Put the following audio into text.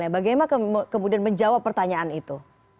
bagaimana kemudian menjawab pertanyaan itu